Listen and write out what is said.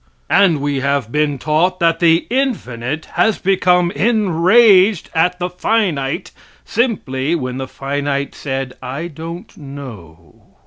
And we have been taught that the infinite has become enraged at the finite simply when the finite said: "I don't know!"